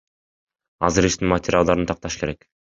Азыр иштин материалдарын такташ керек.